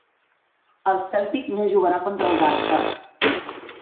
El Cèltic no jugarà contra el Barça